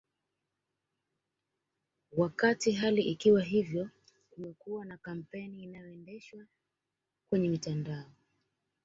Wakati hali ikiwa hivyo kumekuwa na kampeni inayoendeshwa kwenye mitandao